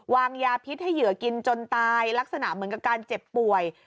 วางยาพิษให้เหยื่อกินจนตายลักษณะเหมือนกับการเจ็บป่วย